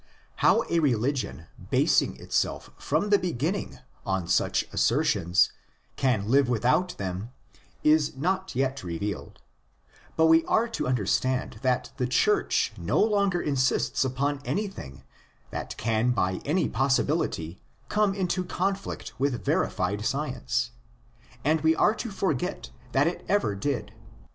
How a religion basing itself from the beginning on such assertions can live without them is not yet revealed; but we are to BIBLICAL CRITICISM AND ITS VERIFICATION 5 understand that the Church no longer insists upon anything that can by any possibility come into con flict with verified science ; and we are to forget that it ever did.